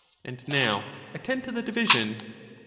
And now attend to the one. division.